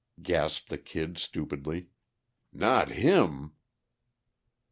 gasped the Kid stupidly. "Not him!"